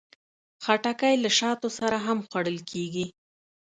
خټکی له شاتو سره هم خوړل کېږي.